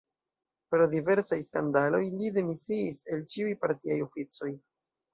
Pro diversaj skandaloj li demisiis el ĉiuj partiaj oficoj.